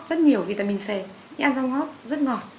rất nhiều vitamin c ăn rau ngót rất ngọt